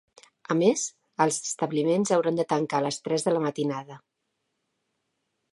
A més, els establiments hauran de tancar a les tres de la matinada.